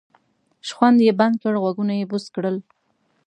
شخوند یې بند کړ غوږونه یې بوڅ کړل.